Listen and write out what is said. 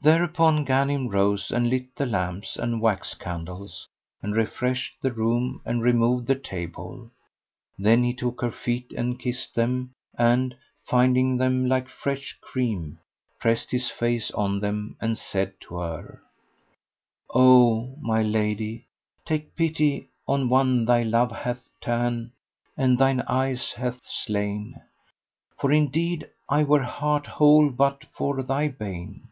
Thereupon Ghanim rose and lit the lamps and wax candles and refreshed the room and removed the table; then he took her feet and kissed them; and, finding them like fresh cream, pressed his face[FN#112] on them; and said to her, "O my lady, take pity on one thy love hath ta'en and thine eyes hath slain; for indeed I were heart whole but for thy bane!"